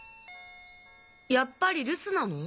やっぱり留守なの？